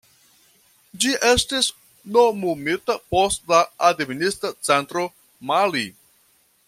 Ĝi estis nomumita post la administra centro Mali.